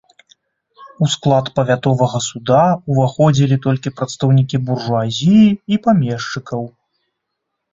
У склад павятовага суда ўваходзілі толькі прадстаўнікі буржуазіі і памешчыкаў.